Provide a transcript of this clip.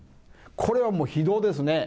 これはもう非道ですね。